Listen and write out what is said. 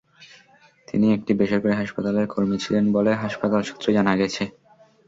তিনি একটি বেসরকারি হাসপাতালের কর্মী ছিলেন বলে হাসপাতাল সূত্রে জানা গেছে।